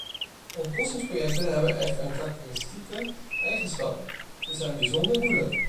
Ontbossingsprojecten hebben echter een karakteristieke eigenschap: ze zijn bijzonder moeilijk.